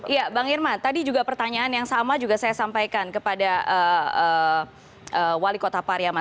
iya bang irman tadi juga pertanyaan yang sama juga saya sampaikan kepada wali kota pariaman